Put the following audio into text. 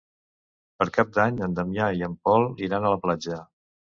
Per Cap d'Any en Damià i en Pol iran a la platja.